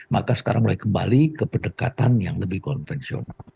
maka sekarang mulai kembali ke pendekatan yang lebih konvensional